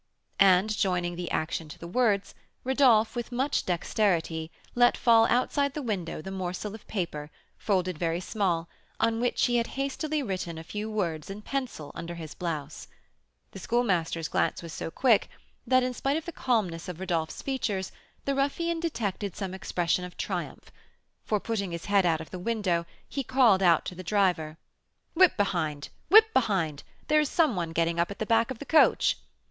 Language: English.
And, joining the action to the words, Rodolph, with much dexterity, let fall outside the window the morsel of paper, folded very small, on which he had hastily written a few words in pencil under his blouse. The Schoolmaster's glance was so quick, that, in spite of the calmness of Rodolph's features, the ruffian detected some expression of triumph, for, putting his head out of the window, he called out to the driver: "Whip behind! whip behind! there is some one getting up at the back of the coach!"